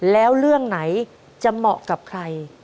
แล้วเรื่องไหนจะเหมาะกับใคร